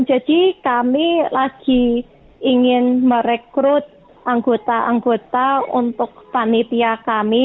jadi kami lagi ingin merekrut anggota anggota untuk panitia kami